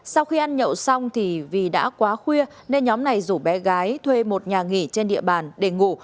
sau khi ăn nhậu xong thì vì đã quá khuya nên nhóm này rủ bé gái thuê một nhà nghỉ trên địa bàn để ngủ